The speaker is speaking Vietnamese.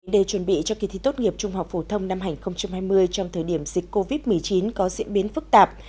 để chuẩn bị cho kỳ thi tốt nghiệp trung học phổ thông năm hai nghìn hai mươi trong thời điểm dịch covid một mươi chín có diễn biến phức tạp